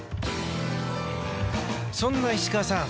そんな石川さん